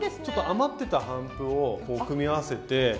ちょっと余ってた帆布を組み合わせて。